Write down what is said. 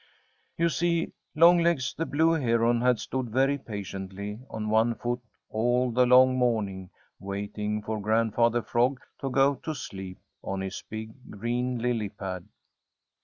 You see Longlegs the Blue Heron had stood very patiently on one foot all the long morning waiting for Grandfather Frog to go to sleep on his big green lily pad.